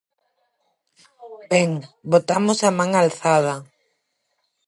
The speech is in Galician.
Ben, votamos a man alzada.